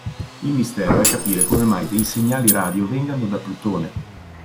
Il mistero è capire come mai dei segnali radio vengano da Plutone.